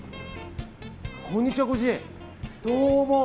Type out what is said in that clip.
こんにちは、ご主人。